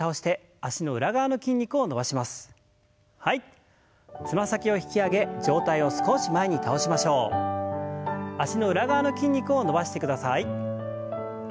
脚の裏側の筋肉を伸ばしてください。